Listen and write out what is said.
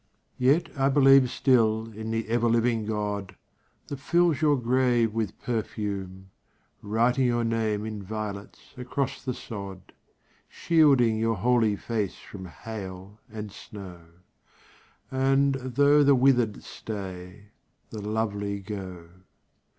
Yet I believe still in the ever living God That fills your grave with perfume, Writing your name in violets across the sod, Shielding your holy face from hail and snow; And, though the withered stay, the lovely go.